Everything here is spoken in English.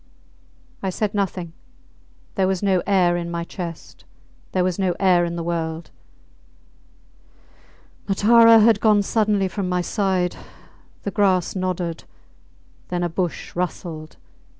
I said nothing; there was no air in my chest there was no air in the world. Matara had gone suddenly from my side. The grass nodded. Then a bush rustled.